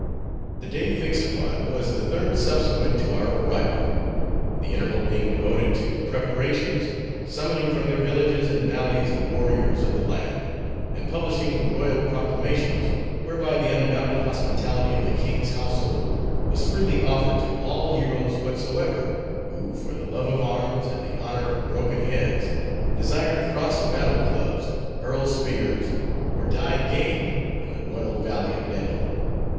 The day fixed upon, was the third subsequent to our arrival; the interval being devoted to preparations; summoning from their villages and valleys the warriors of the land; and publishing the royal proclamations, whereby the unbounded hospitality of the kings' household was freely offered to all heroes whatsoever, who for the love of arms, and the honor of broken heads, desired to cross battle clubs, hurl spears, or die game in the royal valley of Deddo.